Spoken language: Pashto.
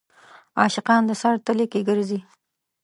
عاشقان د سر تلي کې ګرځي.